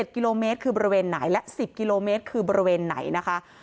กิโลเมตรคือบริเวณไหนและ๑๐กิโลเมตรคือบริเวณไหนนะคะ